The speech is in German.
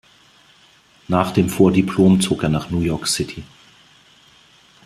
Nach dem Vordiplom zog er nach New York City.